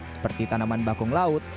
seperti tanaman bakung laut